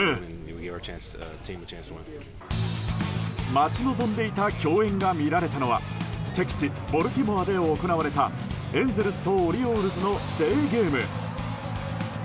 待ち望んでいた共演が見られたのは敵地ボルティモアで行われたエンゼルスとオリオールズのデーゲーム。